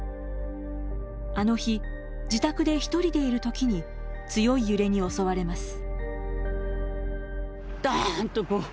あの日自宅で一人でいる時に強い揺れに襲われます。